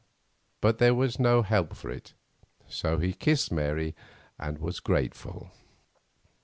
But there was no help for it; so he kissed Mary and was grateful.